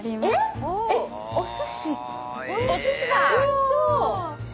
おいしそう！